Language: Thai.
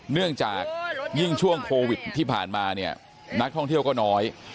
เนื่องจากยิ่งช่วงโควิดที่ผ่านมาเนี่ยนักท่องเที่ยวก็น้อย